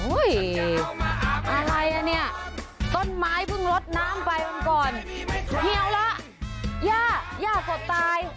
อะไรอ่ะเนี่ยต้นไม้เพิ่งลดน้ำไปวันก่อนเที่ยวละย่าย่ากดตาย